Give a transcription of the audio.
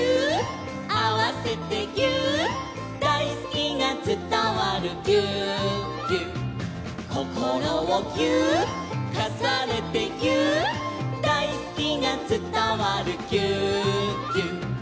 「あわせてぎゅーっ」「だいすきがつたわるぎゅーっぎゅっ」「こころをぎゅーっ」「かさねてぎゅーっ」「だいすきがつたわるぎゅーっぎゅっ」